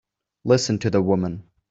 Listen to the woman!